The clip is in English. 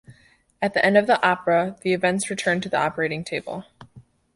At the end of the opera the events return to the operating table.